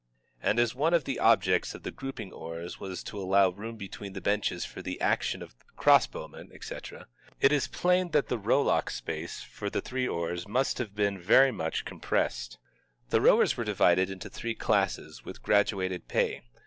And as one of the objects of the grouping of the oars was to allow room between the benches for the action of cross bowmen, &c., it is plain that the rowlock space for the three oars must have been very much compressed.* The rowers were divided into three classes, with graduated pay.